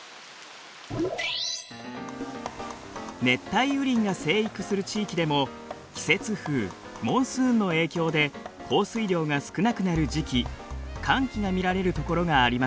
熱帯雨林が生育する地域でも季節風モンスーンの影響で降水量が少なくなる時期乾季が見られるところがあります。